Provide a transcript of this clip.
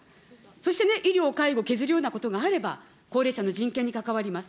そして医療介護を削るようなことがあれば、高齢者の人権に関わります。